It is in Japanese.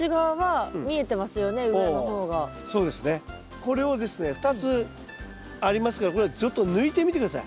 これをですね２つありますからこれをちょっと抜いてみて下さい。